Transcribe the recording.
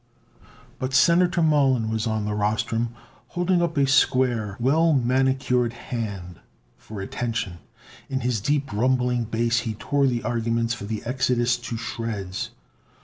But Senator Mollon was on the rostrum, holding up a square, well manicured hand for attention. In his deep rumbling bass he tore the arguments for the Exodus to shreds.